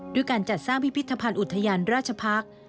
ด้วยการจัดสร้างพิพิธภัณฑ์อุทยานราชพักษ์